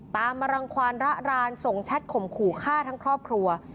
ตามมารังความระรานส่งแชทข่มขู่ฆ่าทั้งครอบครัว